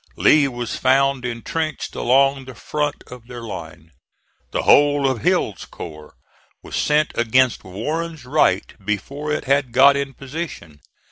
Lee was found intrenched along the front of their line. The whole of Hill's corps was sent against Warren's right before it had got in position.